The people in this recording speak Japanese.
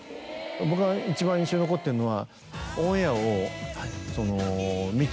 僕が一番印象に残ってるのは。